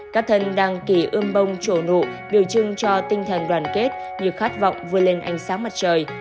các thân đăng kỷ ươm bông trổ nụ biểu trưng cho tinh thần đoàn kết nhiều khát vọng vươn lên ánh sáng mặt trời